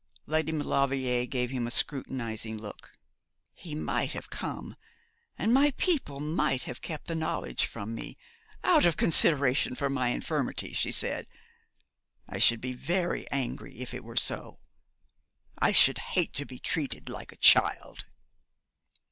Lady Maulevrier gave him a scrutinising look. 'He might have come, and my people might have kept the knowledge from me, out of consideration for my infirmity,' she said. 'I should be very angry if it were so. I should hate to be treated like a child.'